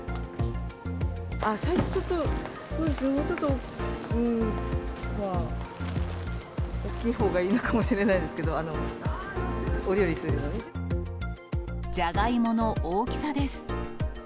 サイズ、ちょっと、そうですね、もうちょっと、うーん、まあ、大きいほうがいいのかもしれないですけど、ジャガイモの大きさです。